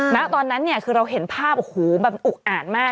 แล้วตอนนั้นเนี่ยคือเราเห็นภาพอุ๊คอ่านมาก